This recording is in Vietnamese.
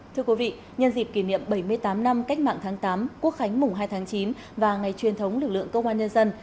thưa quý vị nhân dịp kỷ niệm bảy mươi tám năm cách mạng tháng tám quốc khánh mùng hai tháng chín và ngày truyền thống lực lượng công an nhân dân